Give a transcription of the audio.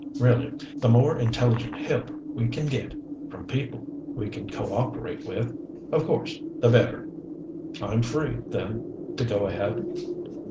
Really, the more intelligent help we can get from people we can co operate with, of course the better." "I'm free, then, to go ahead?"